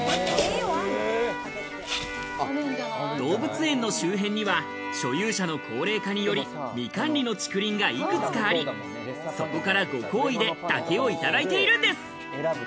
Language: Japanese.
動物園の周辺には所有者の高齢化により、未管理の竹林がいくつかあり、そこからご厚意で竹をいただいているんです。